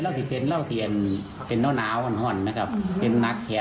ว่าอยู่จะโดนไป